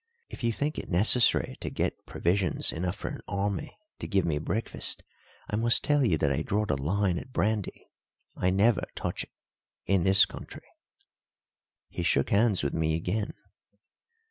"If you think it necessary to get provisions enough for an army to give me breakfast, I must tell you that I draw the line at brandy. I never touch it in this country." He shook hands with me again.